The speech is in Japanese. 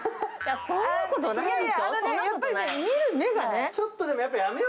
そんなことないですよ。